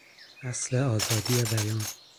اصل آزادی بیان